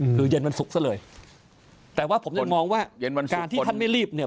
หรือเย็นวันสุขซะเลยแต่ว่าผมยังมองว่าการที่ท่านไม่รีบเนี่ย